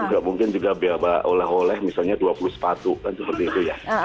nggak mungkin juga biaya oleh oleh misalnya dua puluh sepatu kan seperti itu ya